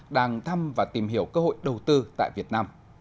đang thăm và tìm hiểu cơ hội đầu tư tại việt nam